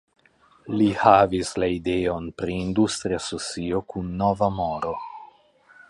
Li havis la ideon pri industria socio kun nova moro.